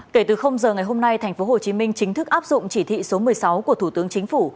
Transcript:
kể từ giờ ngày hôm nay tp hcm chính thức áp dụng chỉ thị số một mươi sáu của thủ tướng chính phủ